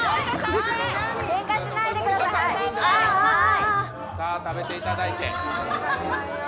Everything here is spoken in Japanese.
さあ食べていただいて。